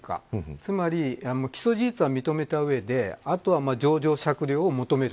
つまり、起訴事実は認めた上であとは情状酌量を求める。